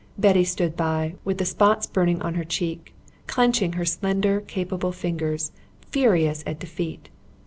Betty stood by, with the spots burning on her cheek, clenching her slender capable fingers, furious at defeat.